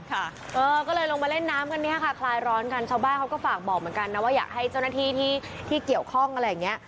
ก็เลยลงมาเล่นน้ำกันเนี่ยค่ะคลายร้อนกันชาวบ้านเขาก็ฝากบอกเหมือนกันนะว่าอยากให้เจ้าหน้าที่ที่เกี่ยวข้องอะไรอย่างเงี้ย